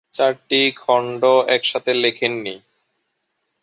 চারটি খণ্ড একসাথে লেখেন নি।